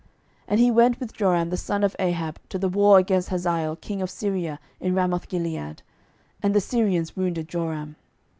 12:008:028 And he went with Joram the son of Ahab to the war against Hazael king of Syria in Ramothgilead; and the Syrians wounded Joram.